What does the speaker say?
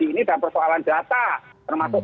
di ini dan persoalan data termasuk